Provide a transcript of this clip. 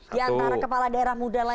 di antara kepala daerah muda lain